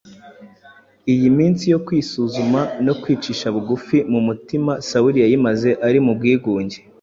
Iyi minsi yo kwisuzuma no kwicisha bugufi mu umutima Sawuli yayimaze ari mu bwigunge.